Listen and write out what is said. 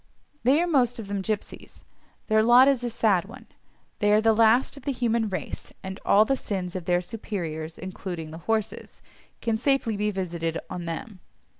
They are most of them gipsies. Their lot is a sad one: they are the last of the human race, and all the sins of their superiors (including the horses) can safely be visited on them.